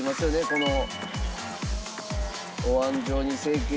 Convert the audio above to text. この。